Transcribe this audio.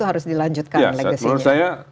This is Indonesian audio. harus dilanjutkan legasinya ya menurut saya